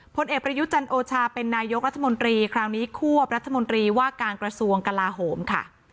พลเอกประยุจันโอชาเป็นนายกรัฐมนตรีคราวนี้ควบรัฐมนตรีว่าการกระทรวงกลาโหมค่ะ